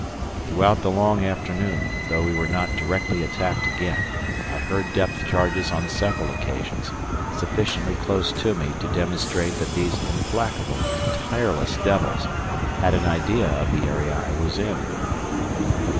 Throughout the long afternoon, though we were not directly attacked again, I heard depth charges on several occasions sufficiently close to me to demonstrate that these implacable and tireless devils had an idea of the area I was in.